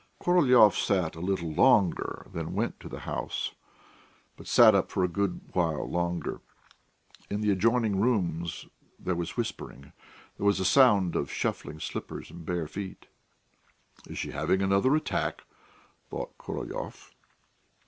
Korolyov sat a little longer, then went to the house, but sat up for a good while longer. In the adjoining rooms there was whispering, there was a sound of shuffling slippers and bare feet. "Is she having another attack?" thought Korolyov.